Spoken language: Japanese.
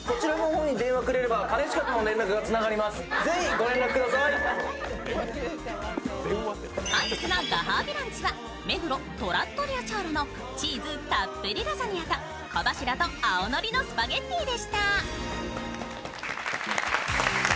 本日のご褒美ランチは目黒トラットリア・チャオロのチーズたっぷりラザニアと小柱と青のりのスパゲッティでした。